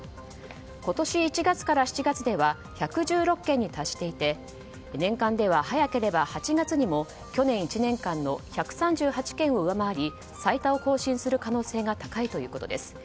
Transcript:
今年１月から７月では１１６件に達していて年間では早ければ８月にも去年１年間の１３８件を上回り最多を更新する可能性が高いということです。